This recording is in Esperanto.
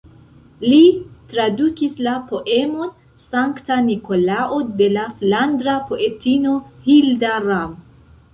Li tradukis la poemon "Sankta Nikolao" de la flandra poetino Hilda Ram.